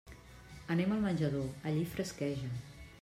Anem al menjador; allí fresqueja.